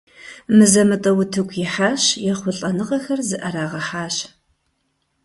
Мызэ-мытӀэу утыку ихьащ, ехъулӀэныгъэхэр зыӀэрагъэхьащ.